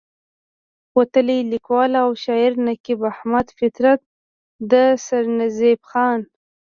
وتلے ليکوال او شاعر نقيب احمد فطرت د سرنزېب خان